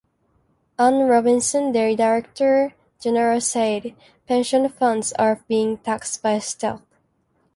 Anne Robinson, their director general said pension funds are being "taxed by stealth".